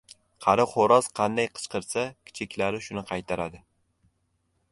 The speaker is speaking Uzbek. • Qari xo‘roz qanday qichqirsa, kichiklari shuni qaytaradi.